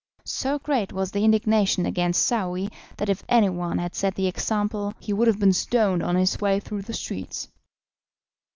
So great was the indignation against Saouy that if anyone had set the example he would have been stoned on his way through the streets.